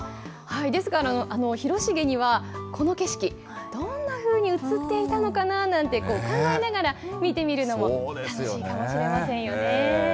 ですから、広重にはこの景色、どんなふうに映っていたのかななんて、考えながら見てみるのも楽しいかもしれませんよね。